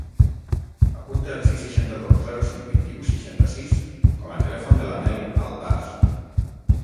Apunta el sis, seixanta-dos, zero, cinc, vint-i-u, seixanta-sis com a telèfon de la Mel Aldaz.